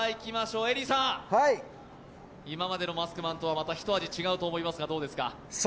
今までのマスクマンとはまたひと味違うと思いますが、どうですか。